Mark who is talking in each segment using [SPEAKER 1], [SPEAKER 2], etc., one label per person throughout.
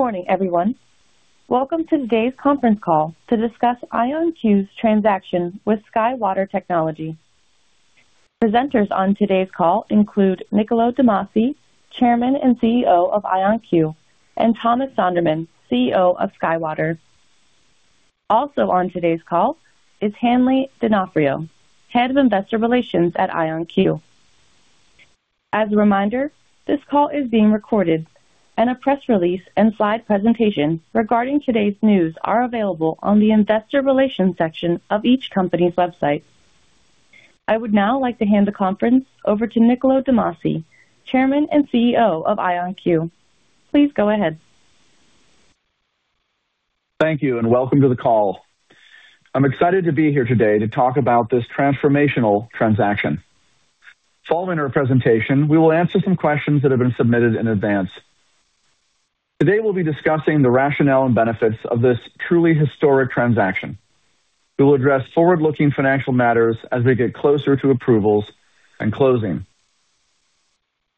[SPEAKER 1] Good morning, everyone. Welcome to today's conference call to discuss IonQ's transaction with SkyWater Technology. Presenters on today's call include Niccolo de Masi, Chairman and CEO of IonQ, and Thomas Sonderman, CEO of SkyWater. Also on today's call is Hanley DoNofrio, Head of Investor Relations at IonQ. As a reminder, this call is being recorded, and a press release and slide presentation regarding today's news are available on the Investor Relations section of each company's website. I would now like to hand the conference over to Niccolo de Masi, Chairman and CEO of IonQ. Please go ahead.
[SPEAKER 2] Thank you, and welcome to the call. I'm excited to be here today to talk about this transformational transaction. Following our presentation, we will answer some questions that have been submitted in advance. Today, we'll be discussing the rationale and benefits of this truly historic transaction. We will address forward-looking financial matters as we get closer to approvals and closing.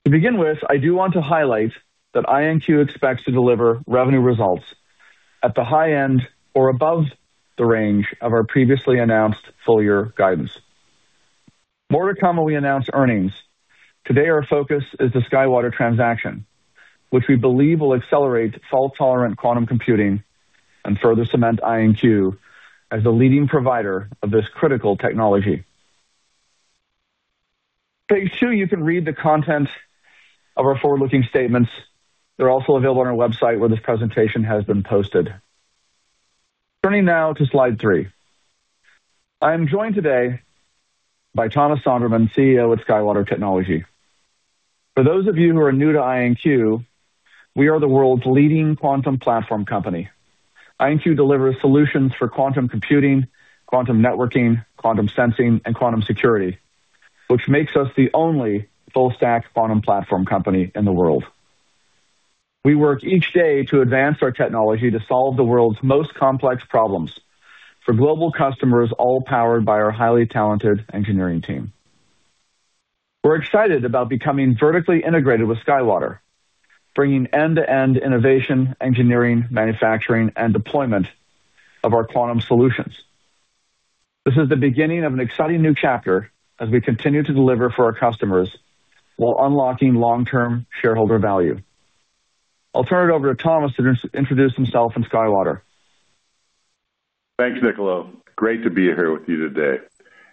[SPEAKER 2] To begin with, I do want to highlight that IonQ expects to deliver revenue results at the high end or above the range of our previously announced full-year guidance. More to come, we announce earnings. Today, our focus is the SkyWater transaction, which we believe will accelerate fault-tolerant quantum computing and further cement IonQ as the leading provider of this critical technology. Page two, you can read the content of our forward-looking statements. They're also available on our website where this presentation has been posted. Turning now to slide three, I am joined today by Thomas Sonderman, CEO at SkyWater Technology. For those of you who are new to IonQ, we are the world's leading quantum platform company. IonQ delivers solutions for quantum computing, quantum networking, quantum sensing, and quantum security, which makes us the only full-stack quantum platform company in the world. We work each day to advance our technology to solve the world's most complex problems for global customers, all powered by our highly talented engineering team. We're excited about becoming vertically integrated with SkyWater, bringing end-to-end innovation, engineering, manufacturing, and deployment of our quantum solutions. This is the beginning of an exciting new chapter as we continue to deliver for our customers while unlocking long-term shareholder value. I'll turn it over to Thomas to introduce himself and SkyWater.
[SPEAKER 3] Thanks, Niccolo. Great to be here with you today.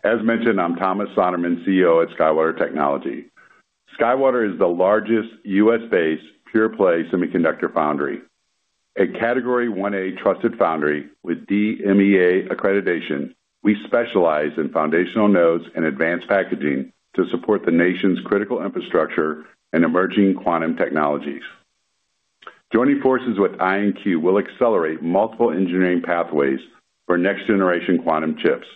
[SPEAKER 3] As mentioned, I'm Thomas Sonderman, CEO at SkyWater Technology. SkyWater is the largest U.S.-based pure-play semiconductor foundry. A Category 1A Trusted Foundry with DMEA accreditation, we specialize in foundational nodes and advanced packaging to support the nation's critical infrastructure and emerging quantum technologies. Joining forces with IonQ will accelerate multiple engineering pathways for next-generation quantum chips.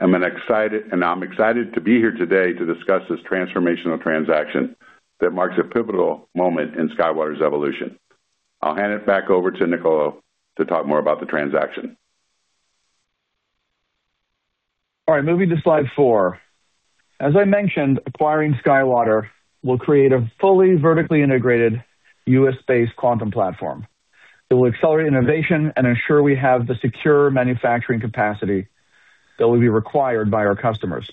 [SPEAKER 3] I'm excited to be here today to discuss this transformational transaction that marks a pivotal moment in SkyWater's evolution. I'll hand it back over to Niccolo to talk more about the transaction.
[SPEAKER 2] All right, moving to slide four. As I mentioned, acquiring SkyWater will create a fully vertically integrated U.S.-based quantum platform. It will accelerate innovation and ensure we have the secure manufacturing capacity that will be required by our customers.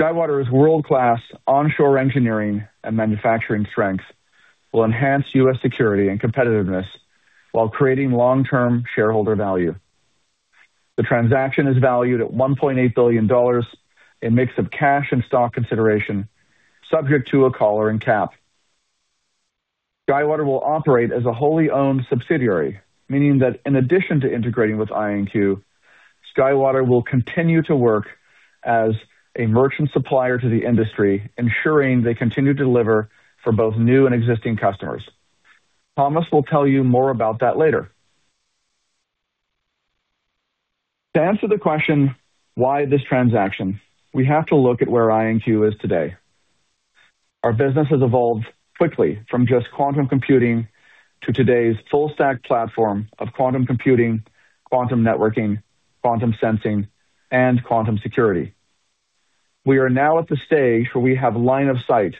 [SPEAKER 2] SkyWater's world-class onshore engineering and manufacturing strength will enhance U.S. security and competitiveness while creating long-term shareholder value. The transaction is valued at $1.8 billion, a mix of cash and stock consideration, subject to a collar and cap. SkyWater will operate as a wholly-owned subsidiary, meaning that in addition to integrating with IonQ, SkyWater will continue to work as a merchant supplier to the industry, ensuring they continue to deliver for both new and existing customers. Thomas will tell you more about that later. To answer the question, why this transaction, we have to look at where IonQ is today. Our business has evolved quickly from just quantum computing to today's full-stack platform of quantum computing, quantum networking, quantum sensing, and quantum security. We are now at the stage where we have line of sight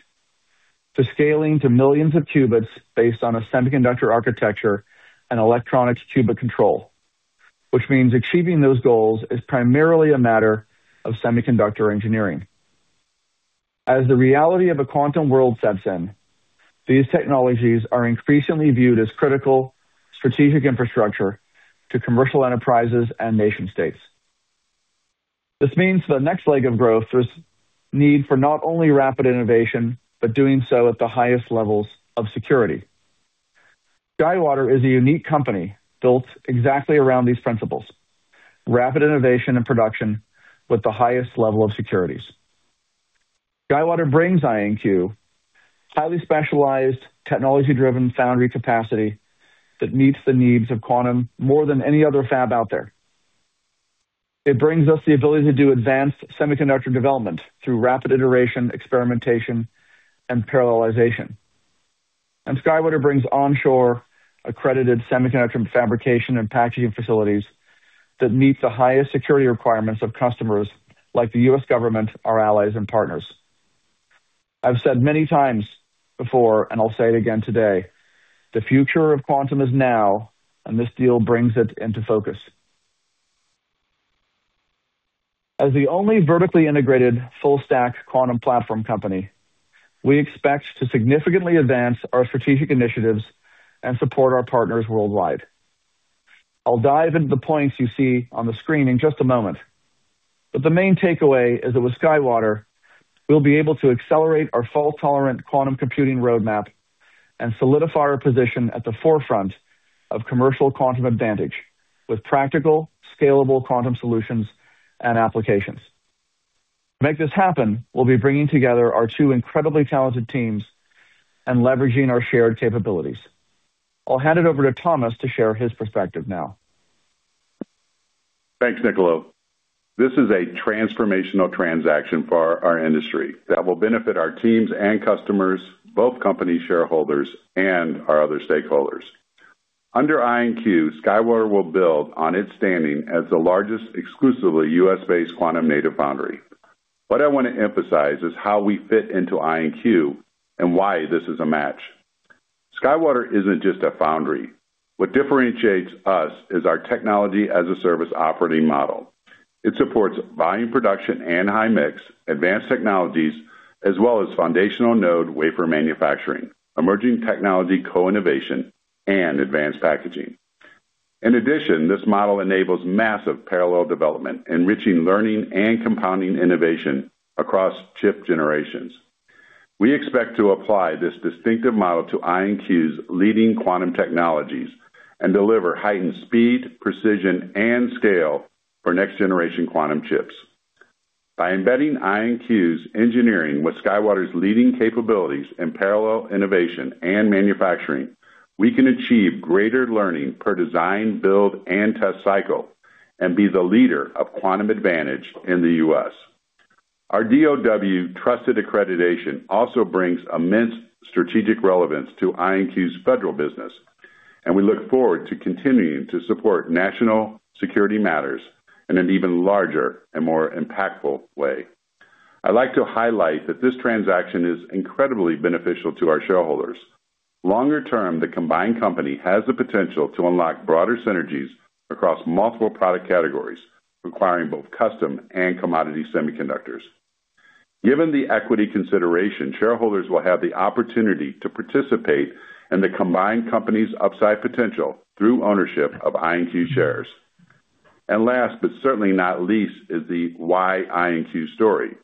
[SPEAKER 2] to scaling to millions of qubits based on a semiconductor architecture and electronic qubit control, which means achieving those goals is primarily a matter of semiconductor engineering. As the reality of a quantum world sets in, these technologies are increasingly viewed as critical strategic infrastructure to commercial enterprises and nation-states. This means the next leg of growth is need for not only rapid innovation, but doing so at the highest levels of security. SkyWater is a unique company built exactly around these principles: rapid innovation and production with the highest level of security. SkyWater brings IonQ highly specialized, technology-driven foundry capacity that meets the needs of quantum more than any other fab out there. It brings us the ability to do advanced semiconductor development through rapid iteration, experimentation, and parallelization. SkyWater brings onshore accredited semiconductor fabrication and packaging facilities that meet the highest security requirements of customers like the U.S. government, our allies, and partners. I've said many times before, and I'll say it again today, the future of quantum is now, and this deal brings it into focus. As the only vertically integrated full-stack quantum platform company, we expect to significantly advance our strategic initiatives and support our partners worldwide. I'll dive into the points you see on the screen in just a moment. The main takeaway is that with SkyWater, we'll be able to accelerate our fault-tolerant quantum computing roadmap and solidify our position at the forefront of commercial quantum advantage with practical, scalable quantum solutions and applications. To make this happen, we'll be bringing together our two incredibly talented teams and leveraging our shared capabilities. I'll hand it over to Thomas to share his perspective now.
[SPEAKER 3] Thanks, Niccolo. This is a transformational transaction for our industry that will benefit our teams and customers, both company shareholders and our other stakeholders. Under IonQ, SkyWater will build on its standing as the largest exclusively U.S.-based quantum native foundry. What I want to emphasize is how we fit into IonQ and why this is a match. SkyWater isn't just a foundry. What differentiates us is our Technology-as-a-Service operating model. It supports volume production and high mix, advanced technologies, as well as foundational node wafer manufacturing, emerging technology co-innovation, and advanced packaging. In addition, this model enables massive parallel development, enriching learning and compounding innovation across chip generations. We expect to apply this distinctive model to IonQ's leading quantum technologies and deliver heightened speed, precision, and scale for next-generation quantum chips. By embedding IonQ's engineering with SkyWater's leading capabilities in parallel innovation and manufacturing, we can achieve greater learning per design, build, and test cycle and be the leader of quantum advantage in the U.S. Our DoD trusted accreditation also brings immense strategic relevance to IonQ's federal business, and we look forward to continuing to support national security matters in an even larger and more impactful way. I'd like to highlight that this transaction is incredibly beneficial to our shareholders. Longer term, the combined company has the potential to unlock broader synergies across multiple product categories requiring both custom and commodity semiconductors. Given the equity consideration, shareholders will have the opportunity to participate in the combined company's upside potential through ownership of IonQ shares. Last, but certainly not least, is the why IonQ story.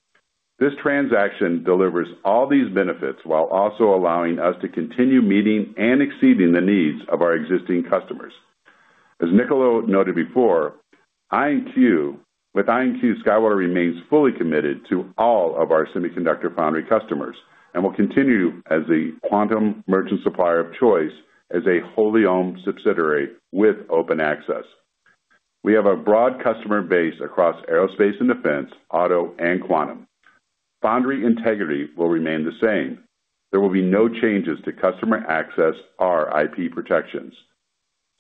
[SPEAKER 3] This transaction delivers all these benefits while also allowing us to continue meeting and exceeding the needs of our existing customers. As Niccolo noted before, with IonQ, SkyWater remains fully committed to all of our semiconductor foundry customers and will continue as the quantum merchant supplier of choice as a wholly-owned subsidiary with open access. We have a broad customer base across aerospace and defense, auto, and quantum. Foundry integrity will remain the same. There will be no changes to customer access or IP protections.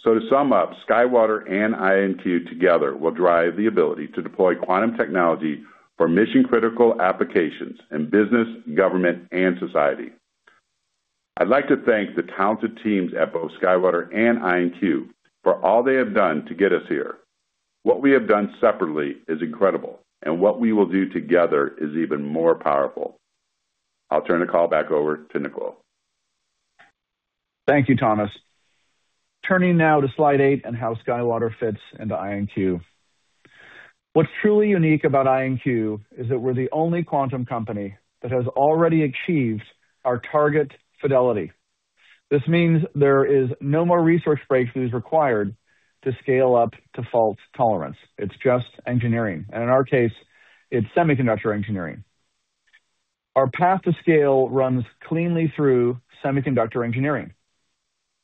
[SPEAKER 3] So to sum up, SkyWater and IonQ together will drive the ability to deploy quantum technology for mission-critical applications in business, government, and society. I'd like to thank the talented teams at both SkyWater and IonQ for all they have done to get us here. What we have done separately is incredible, and what we will do together is even more powerful. I'll turn the call back over to Niccolo.
[SPEAKER 2] Thank you, Thomas. Turning now to slide eight and how SkyWater fits into IonQ. What's truly unique about IonQ is that we're the only quantum company that has already achieved our target fidelity. This means there is no more resource breakthroughs required to scale up to fault tolerance. It's just engineering. And in our case, it's semiconductor engineering. Our path to scale runs cleanly through semiconductor engineering,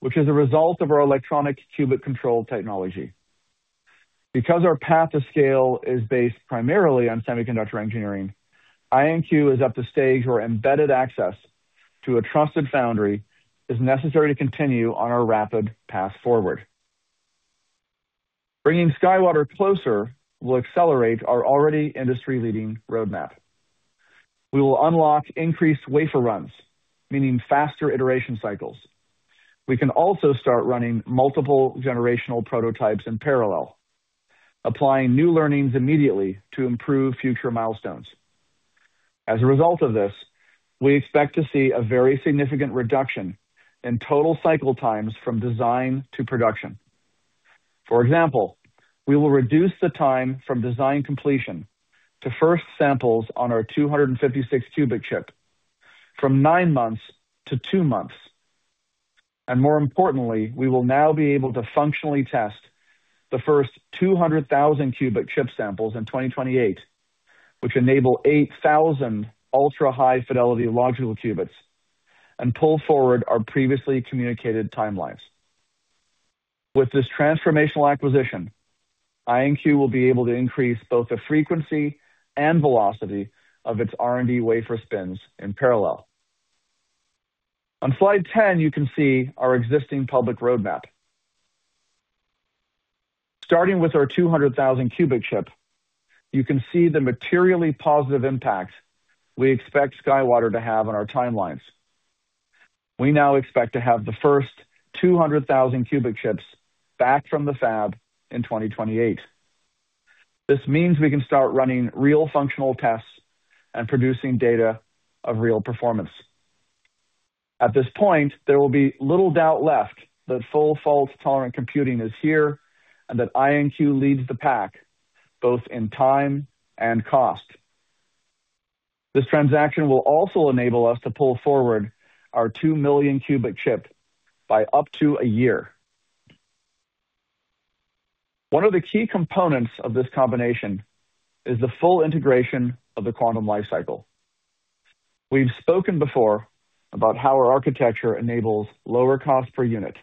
[SPEAKER 2] which is a result of our electronic qubit control technology. Because our path to scale is based primarily on semiconductor engineering, IonQ is up to stage where embedded access to a trusted foundry is necessary to continue on our rapid path forward. Bringing SkyWater closer will accelerate our already industry-leading roadmap. We will unlock increased wafer runs, meaning faster iteration cycles. We can also start running multiple generational prototypes in parallel, applying new learnings immediately to improve future milestones. As a result of this, we expect to see a very significant reduction in total cycle times from design to production. For example, we will reduce the time from design completion to first samples on our 256-qubit chip from nine months to two months. More importantly, we will now be able to functionally test the first 200,000-qubit chip samples in 2028, which enable 8,000 ultra-high fidelity logical qubits and pull forward our previously communicated timelines. With this transformational acquisition, IonQ will be able to increase both the frequency and velocity of its R&D wafer spins in parallel. On slide 10, you can see our existing public roadmap. Starting with our 200,000-qubit chip, you can see the materially positive impact we expect SkyWater to have on our timelines. We now expect to have the first 200,000-qubit chips back from the fab in 2028. This means we can start running real functional tests and producing data of real performance. At this point, there will be little doubt left that full fault-tolerant computing is here and that IonQ leads the pack both in time and cost. This transaction will also enable us to pull forward our 2 million-qubit chip by up to a year. One of the key components of this combination is the full integration of the quantum lifecycle. We've spoken before about how our architecture enables lower cost per unit.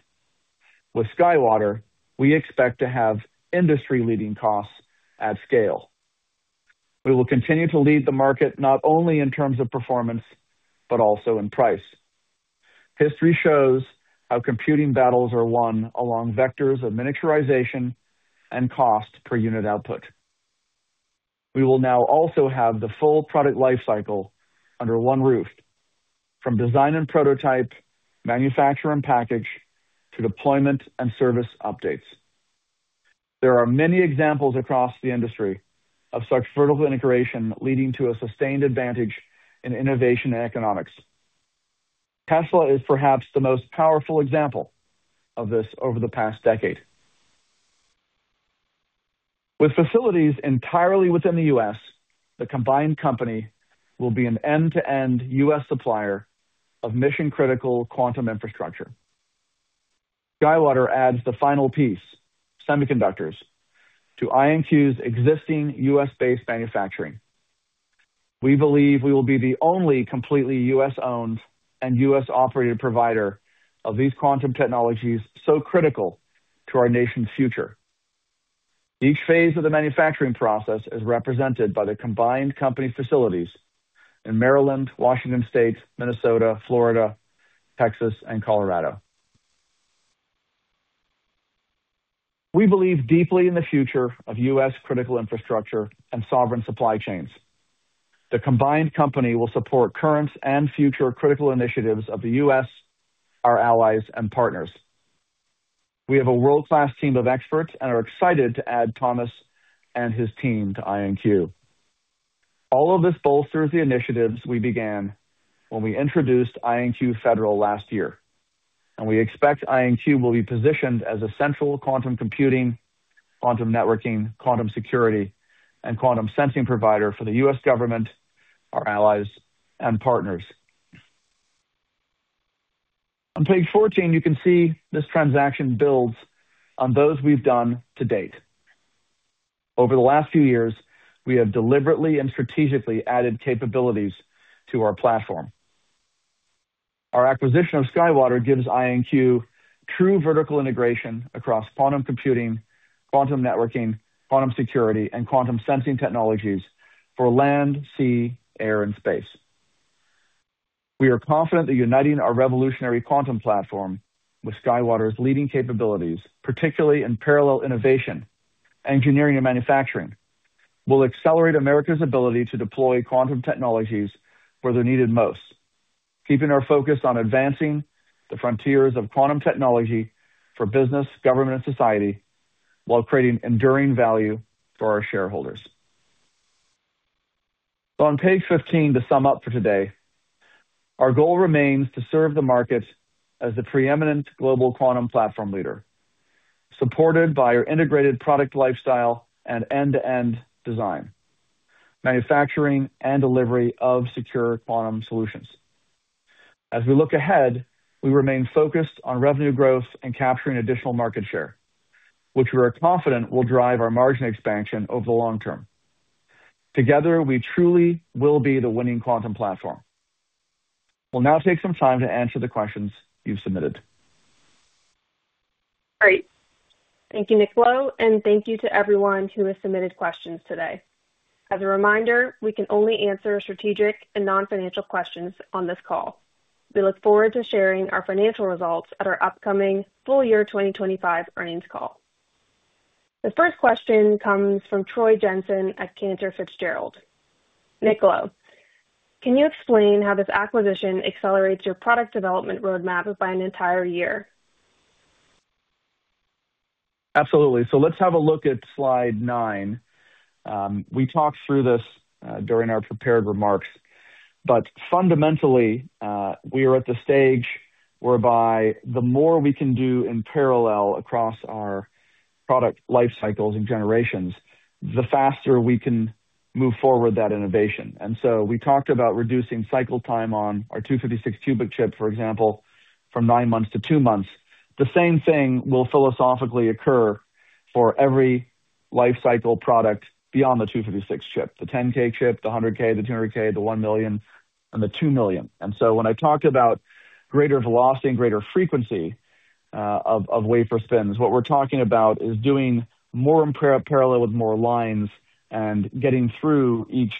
[SPEAKER 2] With SkyWater, we expect to have industry-leading costs at scale. We will continue to lead the market not only in terms of performance, but also in price. History shows how computing battles are won along vectors of miniaturization and cost per unit output. We will now also have the full product lifecycle under one roof, from design and prototype, manufacture and package, to deployment and service updates. There are many examples across the industry of such vertical integration leading to a sustained advantage in innovation and economics. Tesla is perhaps the most powerful example of this over the past decade. With facilities entirely within the U.S., the combined company will be an end-to-end U.S. supplier of mission-critical quantum infrastructure. SkyWater adds the final piece, semiconductors, to IonQ's existing U.S.-based manufacturing. We believe we will be the only completely U.S.-owned and U.S.-operated provider of these quantum technologies so critical to our nation's future. Each phase of the manufacturing process is represented by the combined company facilities in Maryland, Washington State, Minnesota, Florida, Texas, and Colorado. We believe deeply in the future of U.S. critical infrastructure and sovereign supply chains. The combined company will support current and future critical initiatives of the U.S., our allies, and partners. We have a world-class team of experts and are excited to add Thomas and his team to IonQ. All of this bolsters the initiatives we began when we introduced IonQ Federal last year. We expect IonQ will be positioned as a central quantum computing, quantum networking, quantum security, and quantum sensing provider for the U.S. government, our allies, and partners. On page 14, you can see this transaction builds on those we've done to date. Over the last few years, we have deliberately and strategically added capabilities to our platform. Our acquisition of SkyWater gives IonQ true vertical integration across quantum computing, quantum networking, quantum security, and quantum sensing technologies for land, sea, air, and space. We are confident that uniting our revolutionary quantum platform with SkyWater's leading capabilities, particularly in parallel innovation, engineering, and manufacturing, will accelerate America's ability to deploy quantum technologies where they're needed most, keeping our focus on advancing the frontiers of quantum technology for business, government, and society while creating enduring value for our shareholders. On page 15, to sum up for today, our goal remains to serve the market as the preeminent global quantum platform leader, supported by our integrated product lifecycle and end-to-end design, manufacturing, and delivery of secure quantum solutions. As we look ahead, we remain focused on revenue growth and capturing additional market share, which we are confident will drive our margin expansion over the long term. Together, we truly will be the winning quantum platform. We'll now take some time to answer the questions you've submitted.
[SPEAKER 4] Great. Thank you, Niccolo, and thank you to everyone who has submitted questions today. As a reminder, we can only answer strategic and non-financial questions on this call. We look forward to sharing our financial results at our upcoming full-year 2025 earnings call. The first question comes from Troy Jensen at Cantor Fitzgerald. Niccolo, can you explain how this acquisition accelerates your product development roadmap by an entire year?
[SPEAKER 2] Absolutely. So let's have a look at slide nine. We talked through this during our prepared remarks, but fundamentally, we are at the stage whereby the more we can do in parallel across our product lifecycles and generations, the faster we can move forward that innovation. And so we talked about reducing cycle time on our 256-qubit chip, for example, from nine months to two months. The same thing will philosophically occur for every lifecycle product beyond the 256 chip: the 10,000 chip, the 100,000, the 200,000, the 1 million, and the 2 million. And so when I talked about greater velocity and greater frequency of wafer spins, what we're talking about is doing more in parallel with more lines and getting through each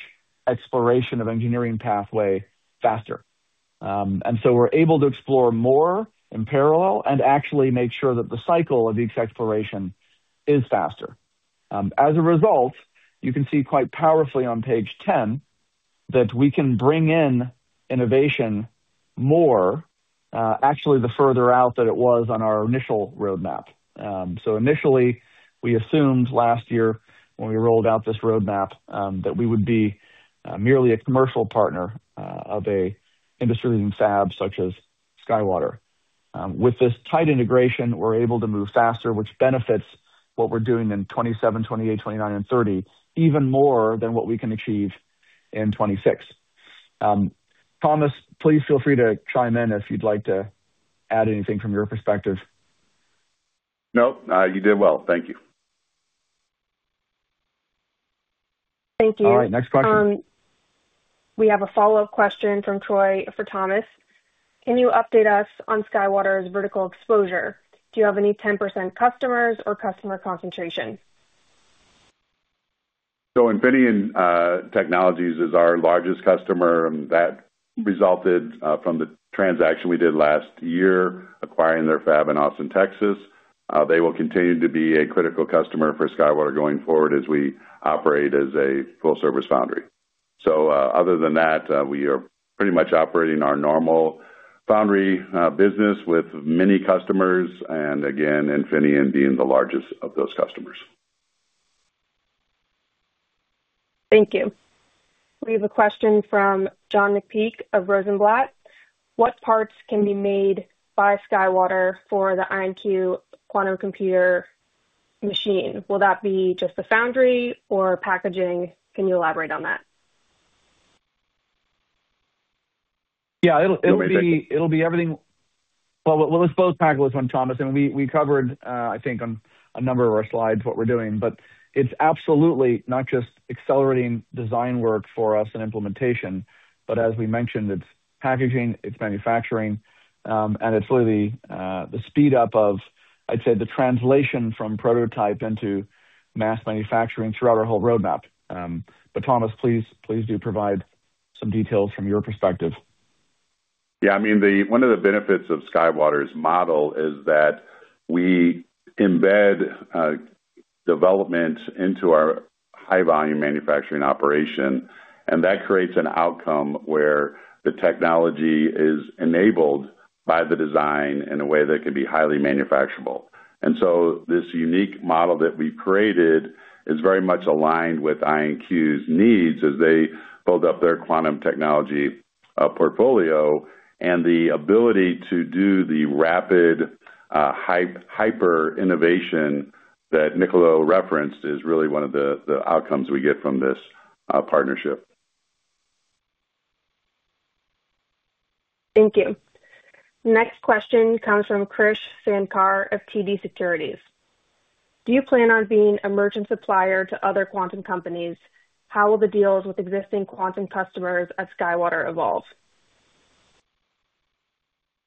[SPEAKER 2] exploration of engineering pathway faster. And so we're able to explore more in parallel and actually make sure that the cycle of each exploration is faster. As a result, you can see quite powerfully on page 10 that we can bring in innovation more, actually the further out that it was on our initial roadmap. Initially, we assumed last year when we rolled out this roadmap that we would be merely a commercial partner of an industry-leading fab such as SkyWater. With this tight integration, we're able to move faster, which benefits what we're doing in 2027, 2028, 2029, and 2030 even more than what we can achieve in 2026. Thomas, please feel free to chime in if you'd like to add anything from your perspective.
[SPEAKER 3] No, you did well. Thank you.
[SPEAKER 4] Thank you.
[SPEAKER 2] All right. Next question.
[SPEAKER 4] We have a follow-up question from Troy for Thomas. Can you update us on SkyWater's vertical exposure? Do you have any 10% customers or customer concentration?
[SPEAKER 3] So Infineon Technologies is our largest customer, and that resulted from the transaction we did last year acquiring their fab in Austin, Texas. They will continue to be a critical customer for SkyWater going forward as we operate as a full-service foundry. So other than that, we are pretty much operating our normal foundry business with many customers and, again, Infineon being the largest of those customers.
[SPEAKER 4] Thank you. We have a question from John McPeake of Rosenblatt. What parts can be made by SkyWater for the IonQ quantum computer machine? Will that be just the foundry or packaging? Can you elaborate on that?
[SPEAKER 2] Yeah, it'll be everything. Well, let's both tackle this one, Thomas. We covered, I think, on a number of our slides what we're doing. But it's absolutely not just accelerating design work for us and implementation, but as we mentioned, it's packaging, it's manufacturing, and it's really the speed up of, I'd say, the translation from prototype into mass manufacturing throughout our whole roadmap. But Thomas, please do provide some details from your perspective.
[SPEAKER 3] Yeah, I mean, one of the benefits of SkyWater's model is that we embed development into our high-volume manufacturing operation. That creates an outcome where the technology is enabled by the design in a way that can be highly manufacturable. So this unique model that we've created is very much aligned with IonQ's needs as they build up their quantum technology portfolio. The ability to do the rapid hyper-innovation that Niccolo referenced is really one of the outcomes we get from this partnership.
[SPEAKER 4] Thank you. Next question comes from Krish Sankar of TD Securities. Do you plan on being a merchant supplier to other quantum companies? How will the deals with existing quantum customers at SkyWater evolve?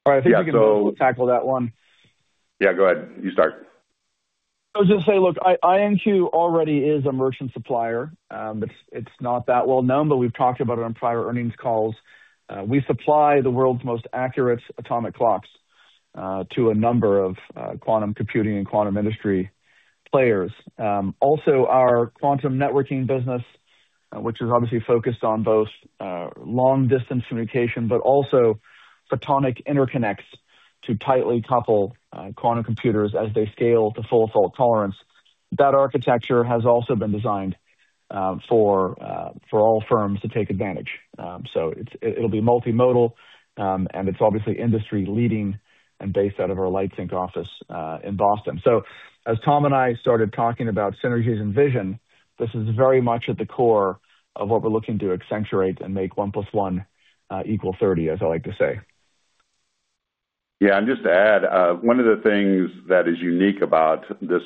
[SPEAKER 2] All right, I think we can tackle that one.
[SPEAKER 3] Yeah, go ahead. You start.
[SPEAKER 2] I was going to say, look, IonQ already is a merchant supplier. It's not that well known, but we've talked about it on prior earnings calls. We supply the world's most accurate atomic clocks to a number of quantum computing and quantum industry players. Also, our quantum networking business, which is obviously focused on both long-distance communication, but also photonic interconnects to tightly couple quantum computers as they scale to full fault tolerance, that architecture has also been designed for all firms to take advantage. So it'll be multimodal, and it's obviously industry-leading and based out of our Lightsynq office in Boston. So as Tom and I started talking about synergies and vision, this is very much at the core of what we're looking to accentuate and make 1 + 1 = 30, as I like to say.
[SPEAKER 3] Yeah, and just to add, one of the things that is unique about this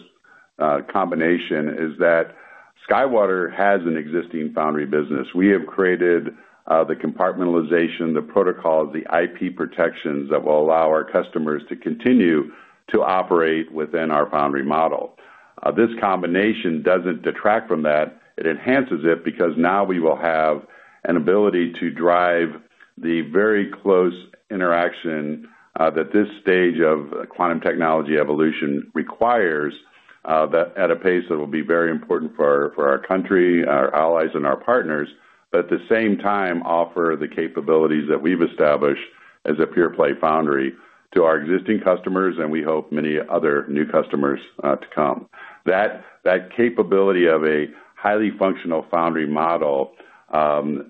[SPEAKER 3] combination is that SkyWater has an existing foundry business. We have created the compartmentalization, the protocols, the IP protections that will allow our customers to continue to operate within our foundry model. This combination doesn't detract from that. It enhances it because now we will have an ability to drive the very close interaction that this stage of quantum technology evolution requires at a pace that will be very important for our country, our allies, and our partners, but at the same time offer the capabilities that we've established as a pure-play foundry to our existing customers and we hope many other new customers to come. That capability of a highly functional foundry model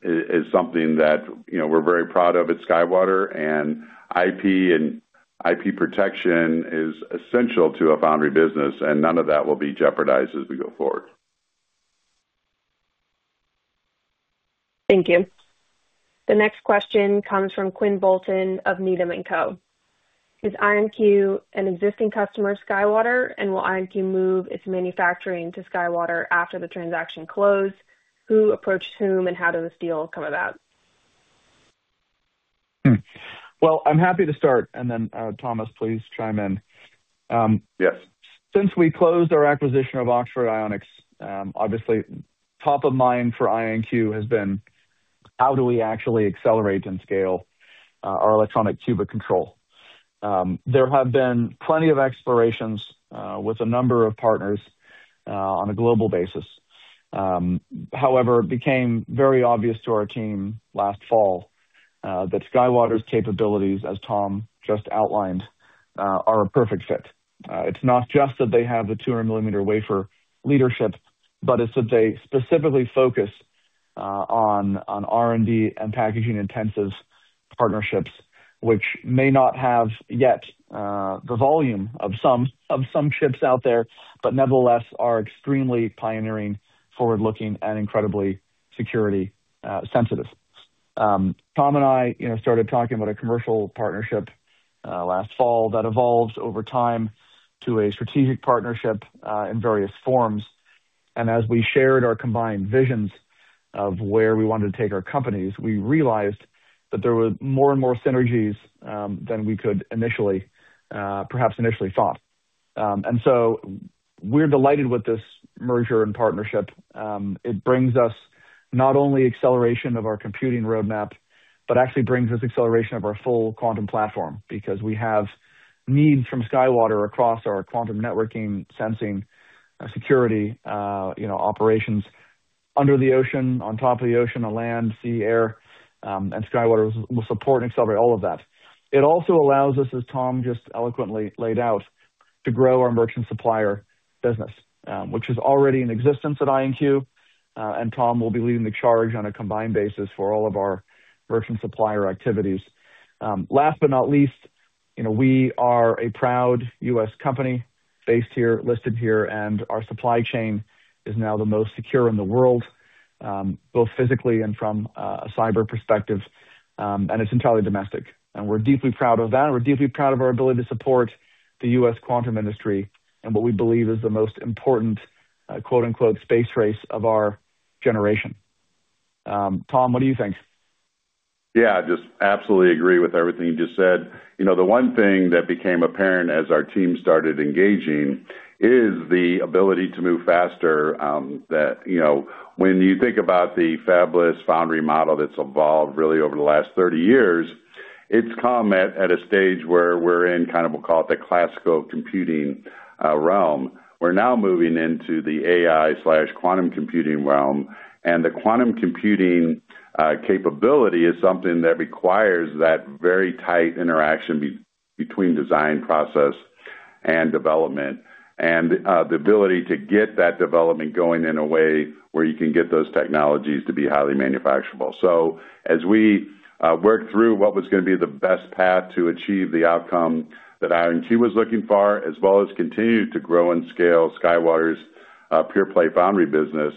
[SPEAKER 3] is something that we're very proud of at SkyWater. IP and IP protection is essential to a foundry business, and none of that will be jeopardized as we go forward.
[SPEAKER 4] Thank you. The next question comes from Quinn Bolton of Needham & Co. Is IonQ an existing customer of SkyWater, and will IonQ move its manufacturing to SkyWater after the transaction closes? Who approached whom, and how did this deal come about?
[SPEAKER 2] Well, I'm happy to start, and then Thomas, please chime in.
[SPEAKER 3] Yes.
[SPEAKER 2] Since we closed our acquisition of Oxford Ionics, obviously, top of mind for IonQ has been how do we actually accelerate and scale our electronic qubit control. There have been plenty of explorations with a number of partners on a global basis. However, it became very obvious to our team last fall that SkyWater's capabilities, as Tom just outlined, are a perfect fit. It's not just that they have the 200 mm wafer leadership, but it's that they specifically focus on R&D and packaging-intensive partnerships, which may not have yet the volume of some chips out there, but nevertheless are extremely pioneering, forward-looking, and incredibly security-sensitive. Tom and I started talking about a commercial partnership last fall that evolves over time to a strategic partnership in various forms. And as we shared our combined visions of where we wanted to take our companies, we realized that there were more and more synergies than we could initially, perhaps initially thought. And so we're delighted with this merger and partnership. It brings us not only acceleration of our computing roadmap, but actually brings us acceleration of our full quantum platform because we have needs from SkyWater across our quantum networking, sensing, security operations under the ocean, on top of the ocean, on land, sea, air. And SkyWater will support and accelerate all of that. It also allows us, as Tom just eloquently laid out, to grow our merchant supplier business, which is already in existence at IonQ. And Tom will be leading the charge on a combined basis for all of our merchant supplier activities. Last but not least, we are a proud U.S. company based here, listed here, and our supply chain is now the most secure in the world, both physically and from a cyber perspective. It's entirely domestic. We're deeply proud of that. We're deeply proud of our ability to support the U.S. quantum industry and what we believe is the most important, quote unquote, "space race" of our generation. Tom, what do you think?
[SPEAKER 3] Yeah, I just absolutely agree with everything you just said. The one thing that became apparent as our team started engaging is the ability to move faster. When you think about the fabless foundry model that's evolved really over the last 30 years, it's come at a stage where we're in kind of, we'll call it the classical computing realm. We're now moving into the AI/quantum computing realm. And the quantum computing capability is something that requires that very tight interaction between design process and development and the ability to get that development going in a way where you can get those technologies to be highly manufacturable. So as we work through what was going to be the best path to achieve the outcome that IonQ was looking for, as well as continue to grow and scale SkyWater's pure-play foundry business,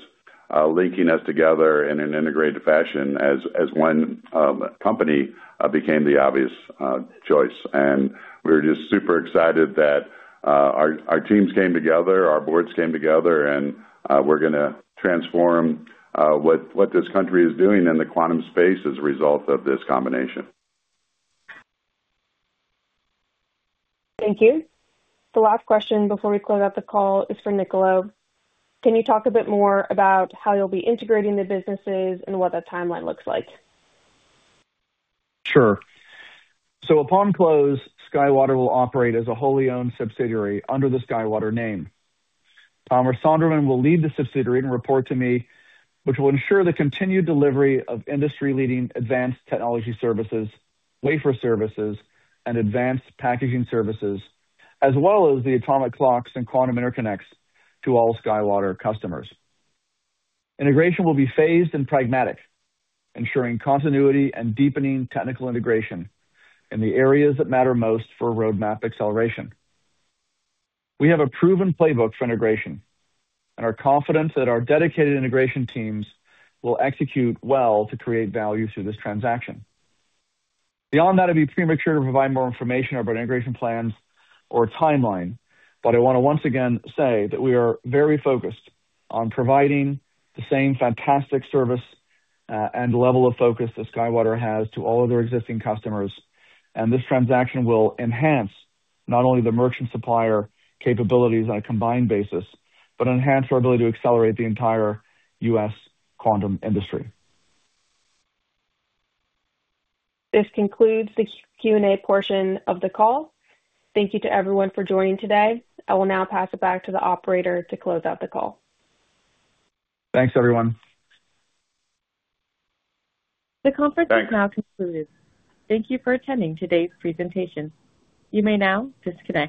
[SPEAKER 3] linking us together in an integrated fashion as one company became the obvious choice. And we're just super excited that our teams came together, our boards came together, and we're going to transform what this country is doing in the quantum space as a result of this combination.
[SPEAKER 4] Thank you. The last question before we close out the call is for Niccolo. Can you talk a bit more about how you'll be integrating the businesses and what that timeline looks like?
[SPEAKER 2] Sure. So upon close, SkyWater will operate as a wholly owned subsidiary under the SkyWater name. Thomas Sonderman will lead the subsidiary and report to me, which will ensure the continued delivery of industry-leading advanced technology services, wafer services, and advanced packaging services, as well as the atomic clocks and quantum interconnects to all SkyWater customers. Integration will be phased and pragmatic, ensuring continuity and deepening technical integration in the areas that matter most for roadmap acceleration. We have a proven playbook for integration and are confident that our dedicated integration teams will execute well to create value through this transaction. Beyond that, it'd be premature to provide more information about integration plans or a timeline, but I want to once again say that we are very focused on providing the same fantastic service and level of focus that SkyWater has to all of their existing customers. This transaction will enhance not only the Merchant Supplier capabilities on a combined basis, but enhance our ability to accelerate the entire U.S. quantum industry.
[SPEAKER 4] This concludes the Q&A portion of the call. Thank you to everyone for joining today. I will now pass it back to the operator to close out the call.
[SPEAKER 2] Thanks, everyone.
[SPEAKER 1] The conference has now concluded. Thank you for attending today's presentation. You may now disconnect.